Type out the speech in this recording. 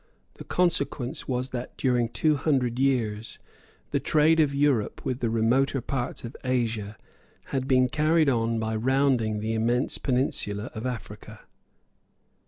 The consequence was that during two hundred years the trade of Europe with the remoter parts of Asia had been carried on by rounding the immense peninsula of Africa.